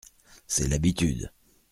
C’est l’habitude.